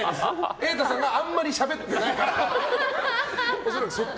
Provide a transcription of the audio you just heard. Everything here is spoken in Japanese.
瑛太さんがあんまりしゃべってないから！